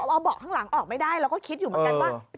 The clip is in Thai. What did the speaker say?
เอาเบาะข้างหลังออกไม่ได้เราก็คิดอยู่เหมือนกันว่า